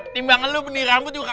dibangin lu benih rambut juga kagak